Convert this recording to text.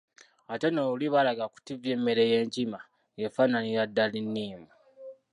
Ate nno luli baalaga ku ttivi emmere y'enkima nga efaananira ddala enniimu.